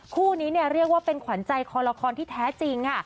คู่นี้เรียกว่าเป็นขวัญใจคอนละครที่แท้จริง